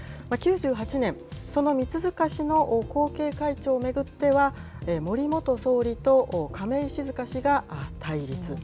９８年、その三塚氏の後継会長を巡っては、森元総理と亀井静香氏が対立。